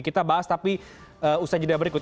kita bahas tapi usaha jadinya berikut